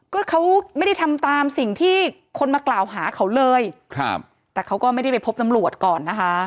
ก็เขาไม่ได้ทำตามสิ่งที่คนมากล่าวหาเขาเลยครับแต่เขาก็ไม่ได้ไปพบตำรวจก่อนนะคะ